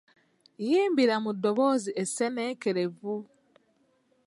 Yimbira mu ddoboozi esseenneekerevu,